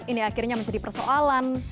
ini akhirnya menjadi persoalan